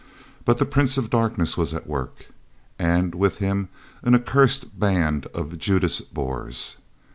_ But the Prince of Darkness was at work. And with him an accursed band of Judas Boers.